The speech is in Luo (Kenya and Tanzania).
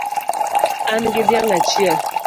An gi dhiang' achiel